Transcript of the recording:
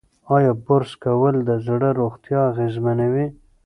ایا برس کول د زړه روغتیا اغېزمنوي؟